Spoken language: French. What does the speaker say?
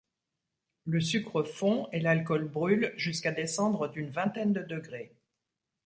Le sucre fond et l'alcool brûle jusqu'à descendre d'une vingtaine de degrés.